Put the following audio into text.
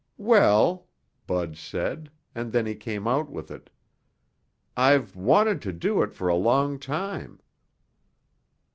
"Well," Bud said, and then he came out with it, "I've wanted to do it for a long time."